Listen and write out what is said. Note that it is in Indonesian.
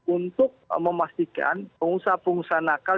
untuk memastikan pengusaha pengusaha nakal